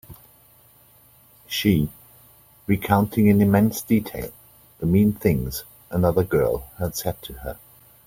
She recounting in immense detail the mean things another girl had said to her.